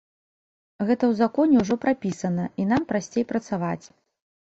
Гэта ў законе ўжо прапісана, і нам прасцей працаваць.